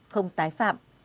không tái phạm